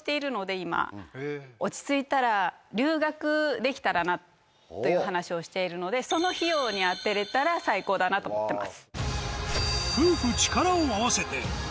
できたらなっていう話をしているのでその費用にあてれたら最高だなと思ってます。